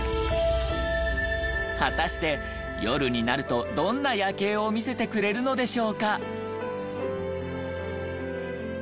果たして夜になるとどんな夜景を見せてくれるのでしょうか？